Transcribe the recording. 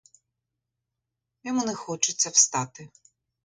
Йому не хочеться встати.